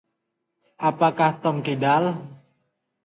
Apakah Tom kidal?